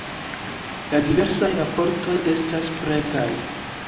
La diversaj raportoj estas pretaj!